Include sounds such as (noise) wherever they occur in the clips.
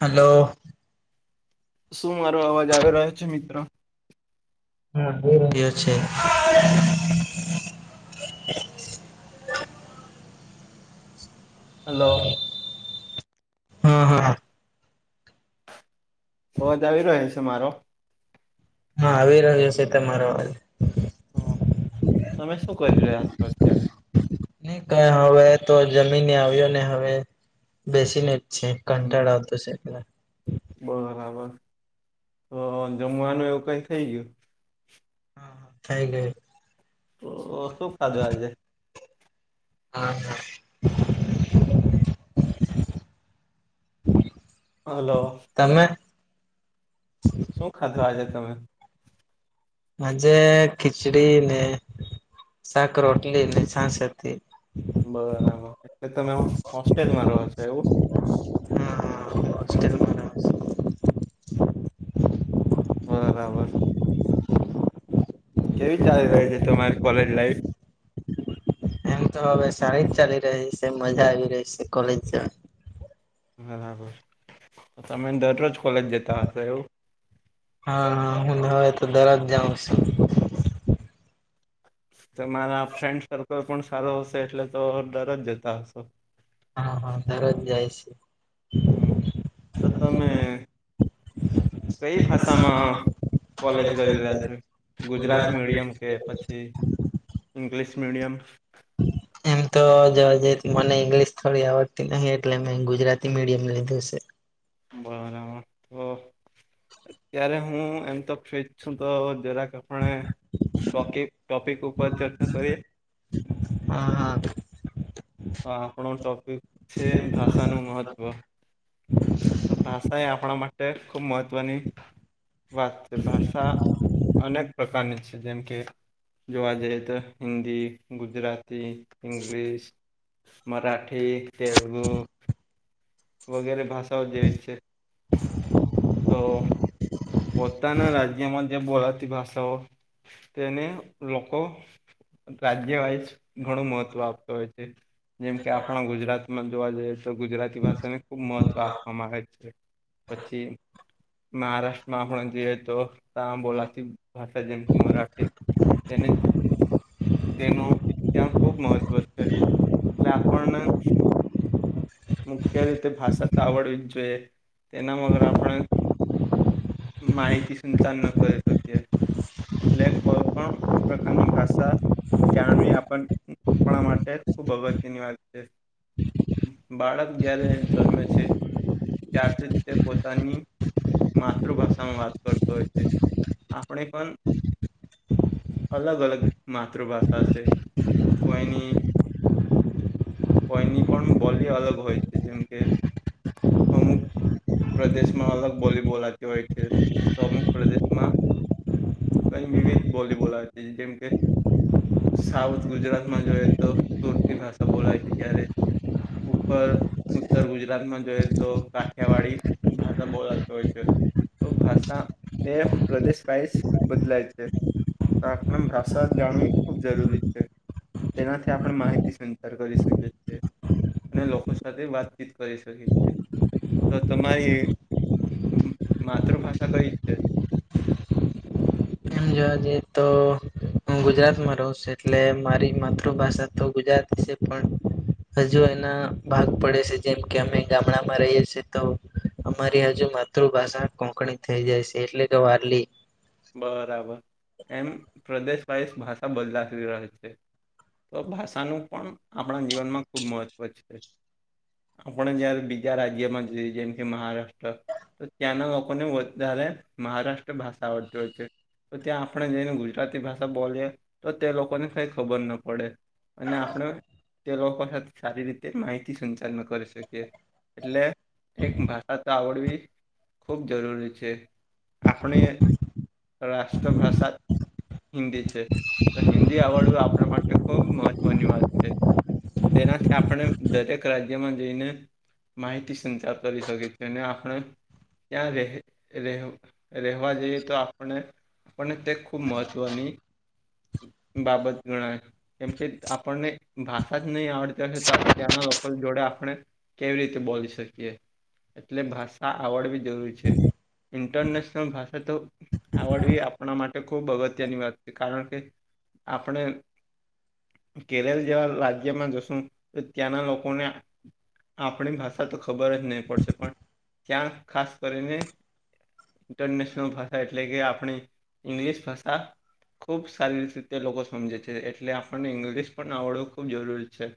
હાલો. શું મારો અવાજ આવી રહ્યો છે, મિત્રો? હમ (unintelligible) છે. હાલો. હ હ. અવાજ આવી રહ્યો છે, મારો? હા આવી રહ્યો છે, તમારો અવાજ હ તમે શું કરી રહ્યા છો અત્યારે? ની કય હવે તો જમીને આવ્યો ને હવે બેસીને છેક હમ કંટાળ આવતો છે, એટલે બરાબર તો જમવાનું એવું કઈ થઇ ગયું? હા હા થઈ ગયુ તો શું ખાધું આજે? હા હા. હાલો. તમે શું ખાધું આજે તમે? આજે ખિચડી ને સાક રોટલી ને છાશ હતી બરાબર એટલે તમે હો હોસ્ટેલમાં રહો છો એવું? હા (unintelligible) હોસ્ટેલમાં રહો છો (inaudible) કેવી ચાલી રહી છે, તમારી કોલેજ લાઈફ? એમ તો હવે સારી જ ચાલી રહી છે, મજા આવી રહી છે, કોલેજ જાવા બરાબર તમે દરરોજ કોલેજ જતા હશે એવું? હા હા હું હવે તો દરરોજ જાઉં છું તો મારા ફ્રેન્ડ સર્કલ પણ સારો હશે એટલે તો દરરોજ જતા હશો હા હા દરરોજ જાય છે. હમ તો તમે કઈ ભાષામાં કોલેજ કરી રહ્યા છે, ગુજરાત મીડિયમ કે પછી? ઇંગ્લિશ મીડિયમ એમ તો (unintelligible) મને ઈંગ્લિશ થોડી આવડતી નહિ એટલે મેં ગુજરાતી મીડિયમ લીધું છે. બરાબર. અત્યારે હું એમ તો ફીજ છું તો જરાક આપણે ટોકીપ ટોપિક ઉપર ચર્ચા કરીએ? હા હા. (unintelligible) આપણો ટોપિક છે, ભાષાનું મહત્ત્વ તો ભાષા એ આપણા મા તે ખૂબ મહત્ત્વની વાત છે, ભાષા અનેક પ્રકારની જેમ કે જોવા જઈએ તો હિન્દી, ગુજરાતી, ઇંગ્લિશ મારાઠી, તેલગુ વગેરે ભાષાઓ જેવી છે. તો પોતાના રાજ્યામાં જે બોલાતી ભષાઓ તેને લોકો રાજ્ય વાઈઝ ઘણું મહત્વ આપતો હોય છે, જેમ કે આપણા ગુજરાત એમાં જોવા જઈએ તો ગુજરાતી ભાષાને ખૂબ મહત્ત્વ આપવામાં આવે છે, પછી મહારાષ મા પણા જએ તો ત બોલાતી ભાષા જેમ કે મરાઠી એને તેનું ત્યાં ખુબ મહત્વ છે, એટલે આપણને મુખ્ય રીતે ભાષા તો આવડવી જ જોઈએ તેના વગર આપણે માહિતી સંચાર ન કરી શકીએ. એટલે કોઈ પણ પ્રકારની ભાષા જાણવી આપણ આપણા માટે ખુબ અગત્યની વાત છે. બાળક જયારે જન્મે છે. ત્યારથી તે પોતાની મા તૃભાષામાં વાત કરતો હોય છે, આપણે પણ અલગ અલગ માતૃભાષા છે, કોઈની કોઈની પણ બોલી અલગ હોય છે, જેમ કે અમુક પ્રદેશમાં અલગ બોલી બોલાતી હોય છે, તો અમુક પ્રદેશમાં કય વિવિધ બોલી બોલાતી છે, જેમ કે સાઉથ ગુજરાતમાં જોઈએ તો તુરકી ભાષા બોલાય છે જ્યારે ઉપર ઉત્તર ગુજરાતમાં જોઈએ તો કાઠિયાવાડી ભાષા બોલાતી હોય છે. તો ભાષા એ પ્રદેશ વાઇસ બદલાય છે. તો આપણે ભાષા જાણવી ખૂબ જરૂરી છે. તેનાથી આપણે માહિતી સંચાર કરીશ શકીએ છે અને લોકો સાથે વાતચીત કરી શકીએ છે. તો તમારી માતૃભાષા કઈ છે? એમ જોવા જઈએ તો હું ગુજરાતમાં રહું છું એટલે મારી માતૃભાષા તો ગુજરાતી છે. પણ હજુ એના ભાગ પડે છે જેમ કે અમે ગામડામાં રહીએ છીએ તો અમારી હજુ માતૃભાષા કોકની થઈ જાય છે એટલે કે વારલી બરાબર એમ પ્રદેશ વાઇસ ભાષા બદલાતી રહે છે. તો ભાષાનું પણ આપણા જીવનમાં ખૂબ મહત્વ છે. આપણે જયારે બીજા રાજ્યમાં જોઈએ જેમ કે મહારાષ્ટ્ર તો ત્યાંના લોકોને વધારે મહારાષ્ટ ભાષા આવડ હોય છે તો ત્યાં આપણે જઈને ગુજરાતી ભાષા બોલીએ તો તે લોકોને કઈ ખબર ના પડે. અને આપણે તે લોકો સાથે સારી રીતે માહિતી સંચાર ન કરી શકીએ. એટલે એક ભાષા તો આવડવી ખૂબ જરૂરી છે. આપણે રાષ્ટ્ર ભાષા હિન્દી છે તો હિન્દી આવડવી આપણે આપણા માટે ખૂબ મહત્વની વાત છે તેનાથી આપણે દરેક રાજ્યમાં જઈને માહિતી સંચાર કરી શકી છે અને આપણે ત્યાં રહે રહે રહેવા જઈએ તો આપ અને આપને તે ખૂબ મહત્ત્વની બાબત ગણાય. કેમ કે આપણને ભાષા જ નહી આવડતી હો તા ત્યાંના લોકો જોડે આપણે કેવી રીતે બોલી શકીએ એટલે ભાષા આવડવી જરૂરી છે. ઇન્ટરનેશનલ ભાષા તો આવડવી આપણા માટે ખૂબ અગત્યની વાત છે કારણ કે આપણે કેરલ જેવા રાજ્યમાં જશું તો ત્યાંના લોકોને આપણી ભાષા તો ખબર જ નહીં પડશે પણ ત્યાં ખાસ કરીને ઇન્ટરનેશનલ ભાષા એટલે કે આપણી ઇંગ્લિશ ભાષા ખૂબ સારી રીતે તે લોકો સમજે છે એટલે આપણને ઇંગ્લિશ પણ આવડવું ખૂબ જરૂરી છે.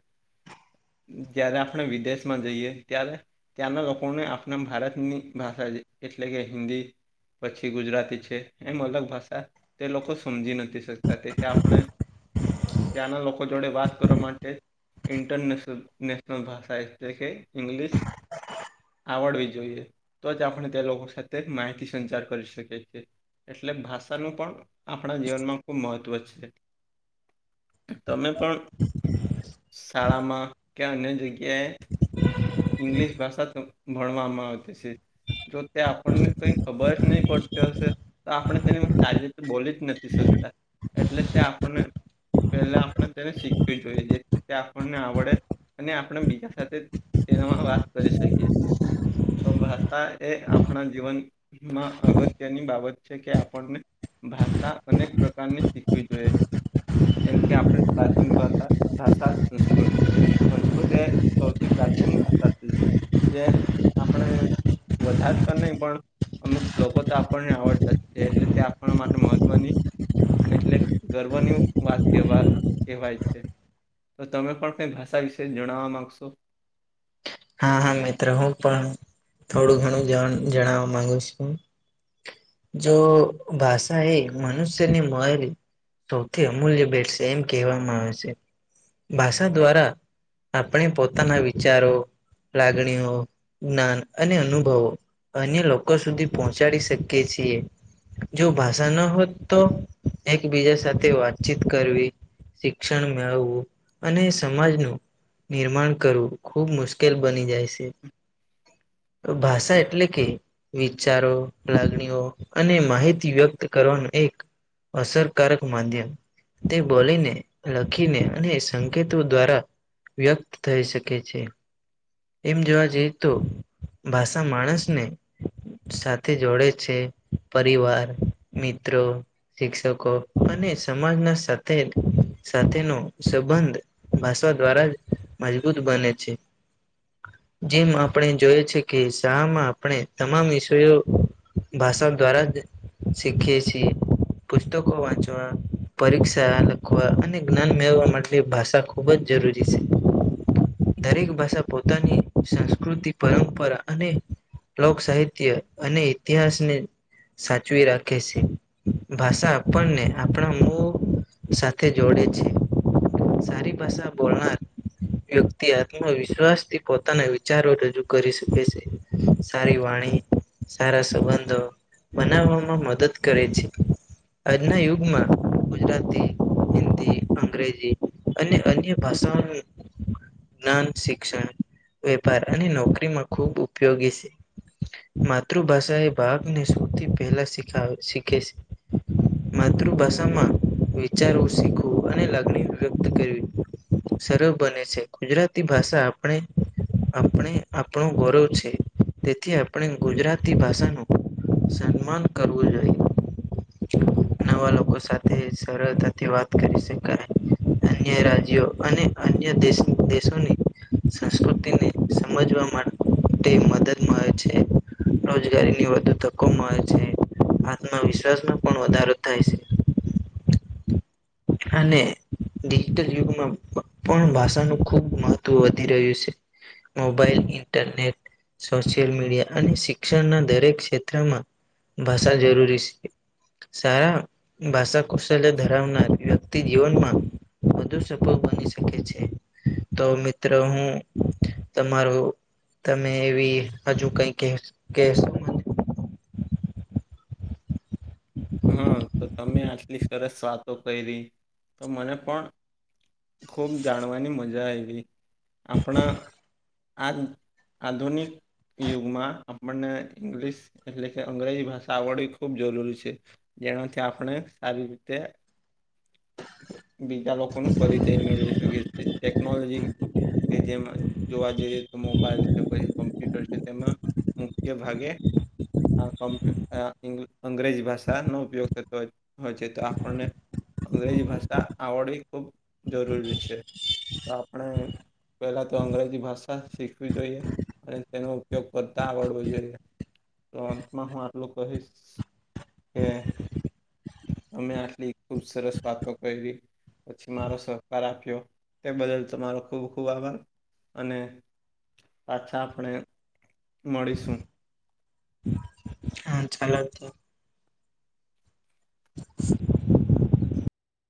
જયારે આપણે વિદેશમાં જઈએ ત્યારે ત્યાંના લોકોને આપણા ભારતની ભાષા એટલે કે હિન્દી પછી ગુજરાતી છે એમ અલગ ભાષા તે લોકો સમજી નથી શકતા તેથી આપણે ત્યાંના લોકો જોડે વાત કરવા માટે ઇન્ટરનેશન નેશનલ ભાષા એટલે કે ઈગ્લિશ આવડવી જોઈએ તો જ આપણે તે લોકો સાથે માહિતી સંચાર કરી શકીએ છે. એટલે ભાષાનું પણ આપણા જીવનમાં ખૂબ મહત્વ છે તમે પણ શાળામાં કે અન્ય જગ્યાએ ઈંગ્લિશ ભાષા તો ભણવામાં આવતી છે, જો તે આપણને કઈ ખબર જ નહી પડતી હશે તો આપણે તેની સારી રીતે બોલી જ નથી શકતા એટલે તે આપને પહેલા આપણે તેને શીખવી જોઈએ જેથી તે આપણને આવડે અને આપણે બીજા સાથે એનામાં વાત કરી શકીએ તો ભાષા એ આપણા જીવન માં અગત્યની બાબત છે, કે આપણને ભાષા અનેક પ્રકારની શીખવી જોએ. જેમ કે આપણે પ્રાચીન ભાતા ભાષા સંસ્કૃત સંસ્કૃત એ સૌથી પ્રાચીન ભાષા છે, જે આપણે વધારતા નહી પણ અમુક શ્લોકો તો આપણને આવડતા જ છે, એટલે તે આપણ માટે મહત્વની એટલે ગર્વની વાત કેવા કેવાય છે. તો તમે પણ કંઈ ભાષા વિશે જણાવવા માગશો? હા હા મિત્ર હું પણ થોડું ઘણું જન જણાવવા માંગુ છું જો ભાષા એ મનુષ્યને મળેલી સૌથી અમૂલ્ય ભેટ છે, એમ કહેવામાં આવે છે. ભાષા દ્વારા આપણે પોતાના વિચારો લાગણીઓ, જ્ઞાન અને અનુભવો અન્ય લોકો સુધી પહોંચાડી શકીએ છીએ. જો ભાષા ન હોત તો એકબીજા સાથે વાતચીત કરવી શિક્ષણ મેળવવું અને સમાજનું નિર્માણ કરવું ખૂબ મુશ્કેલ બની જાય છે, તો ભાષા એટલે કે વિચારો, લાગણીઓ અને માહિતી વ્યક્ત કરવાનું એક અસરકારક માધ્યમ તે બોલીને, લખીને અને સંકેતો દ્વારા વ્યક્ત થઈ શકે છે. એમ જોવા જઈએ તો ભાષા માણસને સાથે જોડે છે, પરિવાર, મિત્રો શિક્ષકો અને સમાજના સાથે સાથેનો સંબંધ ભાષા દ્વારા જ મજબૂત બને છે. જેમ આપણે જોય છે, કે શામાં આપણે તમામ વિષયો ભાષા દ્વારા શીખએ છે, પુસ્તકો વાંચવા પરીક્ષા લખવા અને જ્ઞાન મેળવા માટે ભાષા ખૂબ જ જરૂરી છે. દરેક ભાષા પોતાની સંસ્કૃતિ, પરંપરા અને લોક સાહિત્ય અને ઇતિહાસને સાચવી રાખે છે. ભાષા આપણને આપણા મો સાથે જોડે છે. સારી ભાષા બોલનર વ્યક્તિ આત્મવિશ્વાસ પોતાના વિચારો રજૂ કરી શકે છે, સારી વાણી સારા સંબંધો બનાવવામાં મદદ કરે છે. આજના યુગમાં ગુજરાતી, હિન્દી, અંગ્રેજી અને અન્ય ભાષાઓનું જ્ઞાન શિક્ષણ વેપાર અને નોકરીમાં ખૂબ ઉપયોગી છે. માતૃભાષા એ ભાગને સૌથી પહેલા શીખા શીખે છે. માતૃભાષામાં વિચારું, શીખવું અને લાગણી વ્યક્ત કરવી સરળ બને છે, ગુજરાતી ભાષા આપણે આપણે આપણો ગૌરવ છે, તેથી આપણે ગુજરાતી ભાષાનું સન્માન કરવું જોઈએ. નવા લોકો સાથે સરળતાથી વાત કરી શકાય. અન્ય રાજ્યો અને અન્ય દેશોની સંસ્કૃતિને સમજવા માટે મદદ મળે છે. રોજગારીની વધુ તકો મળે છે આત્મવિશ્વાસમાં પણ વધારો થાય છે. (inaudible) અને ડિજિટલ યુગમાં પણ ભાષાનું ખૂબ મહત્ત્વ હત વધી રહ્યું છે મોબાઈલ ઇન્ટરનેટ સોશિયલ મીડિયા અને શિક્ષણના દરેક ક્ષેત્રમાં ભાષા જરૂરી છે. સારા ભાષા કૌશલ્ય ધરાવનાર વ્યક્તિ જીવનમાં વધુ સફળ બની શકે છે તો મિત્રો હું તમારો તમે એવી હજુ કઈ કે કેશો હા તો તમે આટલી સરસ વાતો કરી તો મને પણ ખૂબ જાણવાની મજા આવી આપણા આ આધુનિક યુગમાં આપણને ઇંગ્લિશ એટલે કે અંગ્રેજી ભાષા આવડવી ખૂબ જરૂરી છે. જેનાથી આપણે સારી રીતે બીજા લોકોનો પરિચય મેળવી શકે છે ટેકનોલોજી કે જેમાં જોવા જઈએ તો મોબાઈલ છે પછી કોમ્પ્યુટર છે તેમાં મોટેભાગે આ કમ્પ્યુ અંગ્રેજી ભાષાનો ઉપયોગ થતો હો હોય છે તો આપણને અંગ્રેજી ભાષા આવડવી ખૂબ જરૂરી છે તો આપણે પહેલાં તો અંગ્રેજી ભાષા શીખવી જોઈએ. અને તેનો ઉપયોગ કરતા આવડવો જોઈએ તો અંતમાં હું આટલું કહીશ કે અમે આટલી ખુબ સરસ. વાતો કરી પછી મારો સહકાર આપ્યો તે બદલ તમારો ખૂબ ખૂબ આભાર. અને પાછા આપણે મળીશું. હા ચાલો તો. (inaudible)